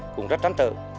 cũng rất trắng trở